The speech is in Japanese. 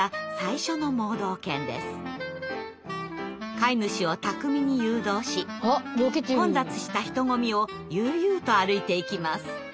飼い主を巧みに誘導し混雑した人混みを悠々と歩いていきます。